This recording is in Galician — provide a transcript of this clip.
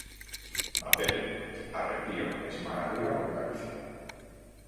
A pele: arrepío, esmagadura ou caricia.